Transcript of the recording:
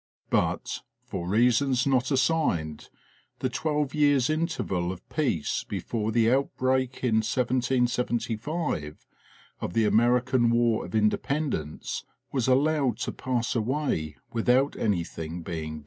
But, for reasons not assigned, the twelve years' interval of peace before the outbreak in 1775 of the American War of Independ ence was allowed to pass away without anything being done.